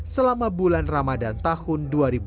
selama bulan ramadan tahun dua ribu dua puluh